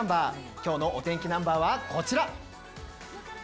今日のお天気ナンバーはこちら！